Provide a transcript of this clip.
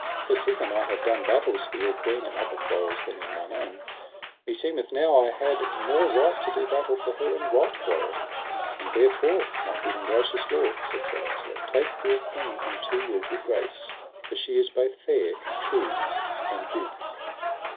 For sithen I have done battles for your queen in other quarrels than in mine own, meseemeth now I had more right to do battle for her in right quarrel. And therefore my good and gracious lord, said Sir Launcelot, take your queen unto your good grace, for she is both fair, true, and good.